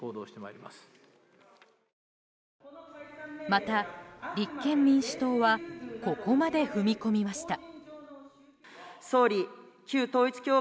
また、立憲民主党はここまで踏み込みました。